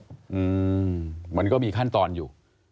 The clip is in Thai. อืมมันก็มีขั้นตอนอยู่